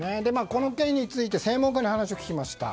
この件について専門家に話を聞きました。